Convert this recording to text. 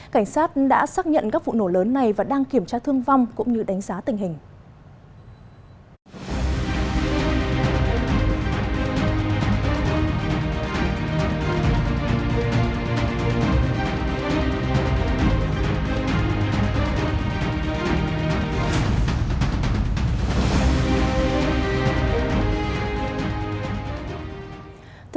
cảnh sát đã xác nhận các vụ nổ lớn này và đang kiểm tra thương vong cũng như đánh giá tình hình